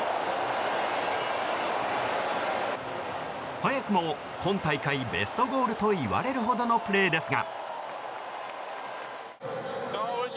早くも今大会ベストゴールといわれるほどのプレーですが。